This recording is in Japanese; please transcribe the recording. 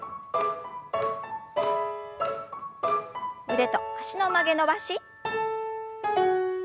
腕と脚の曲げ伸ばし。